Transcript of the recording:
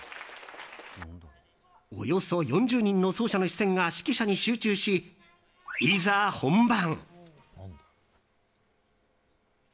およそ４０人の奏者の視線が指揮者に集中し、いざ本番。